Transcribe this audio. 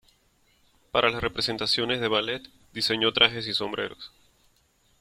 Para las representaciones de ballet diseñó trajes y sombreros.